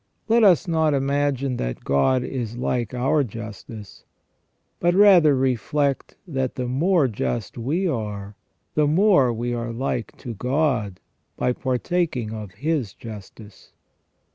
Let us not imagine that God is like our justice, but rather reflect that the more just we are, the more we are like to God by partaking of His justice.